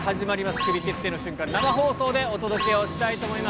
クビ決定の瞬間まで、生放送でお届けをしたいと思います。